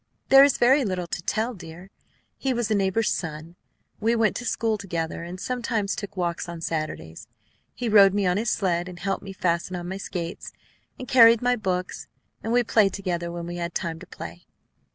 "There is very little to tell, dear. He was a neighbor's son. We went to school together, and sometimes took walks on Saturdays. He rode me on his sled, and helped me fasten on my skates, and carried my books; and we played together when we had time to play.